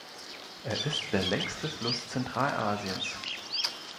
Er ist der längste Fluss Zentralasiens.